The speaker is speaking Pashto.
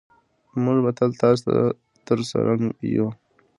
موږ به تل ستاسو ترڅنګ یو.